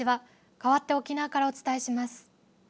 かわって沖縄からお伝えします。